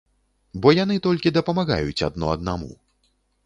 Бо яны толькі дапамагаюць адно аднаму.